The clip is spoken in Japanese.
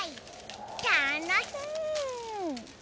たのしい！